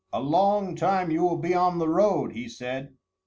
"A long time will you be on the road," he said.